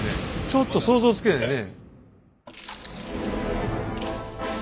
ちょっと想像つかないね。